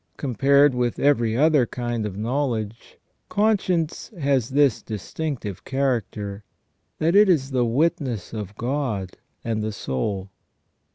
Compared with every other kind of knowledge, conscience has this distinctive character, that it is the witness of God and the soul.